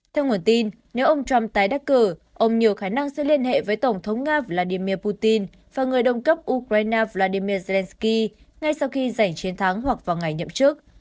theo nguồn tin nếu ông trump tái đắc cử ông nhiều khả năng sẽ liên hệ với tổng thống nga vladimir putin và người đồng cấp ukraine volodymyr zelenskyy ngay sau khi giành chiến thắng hoặc vào ngày nhậm trước